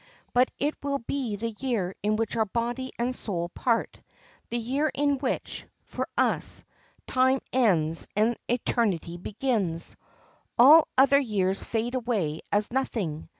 But it will be the year in which our body and soul part—the year in which, for us, time ends and eternity begins. All other years fade away as nothing.